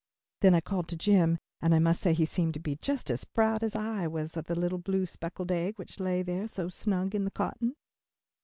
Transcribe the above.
Then I called to Jim and I must say he seemed to be just as proud as I was of the little blue speckled egg which lay there so snug in the cotton.